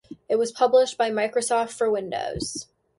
It was published by Microsoft for Windows.